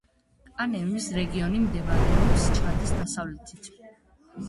კანემის რეგიონი მდებარეობს ჩადის დასავლეთით.